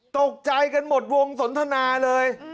ตกใจกันหมดวงสนทนาเลย